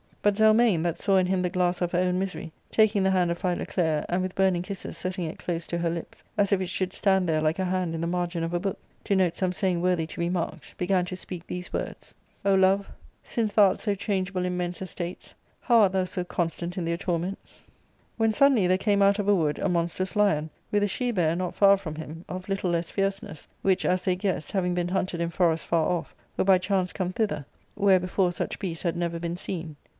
But Zelmane, that saw in him the glass of her own misery, taking the hand of Philoclea, and with burning kisses setting it close to her lips, as if it should stand there like a hand in the margin of a book, to note some saying worthy to be marked, began to speak these words :" O Love^ sinrp thou grt^srv^phat^aMA in men*s estates, how art thou so constant in their topnents?*' ARCADIA,^Booh L 99 when suddenly there came out of a wood a monstrous lion, with a she bear not far from him, of little less fierceness, which, as they guessed, having been hunted in forests far off, were by chance come thither, where before such beasts */ had never been seen.